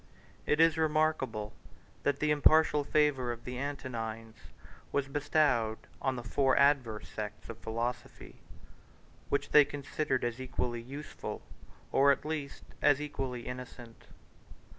149 It is remarkable, that the impartial favor of the Antonines was bestowed on the four adverse sects of philosophy, which they considered as equally useful, or at least, as equally innocent.